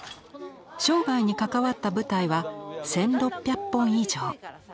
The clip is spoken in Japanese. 生涯に関わった舞台は１，６００本以上。